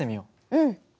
うん。